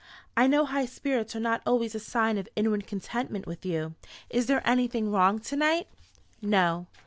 "I know high spirits are not always a sign of inward contentment with you. Is there anything wrong to night?" "No."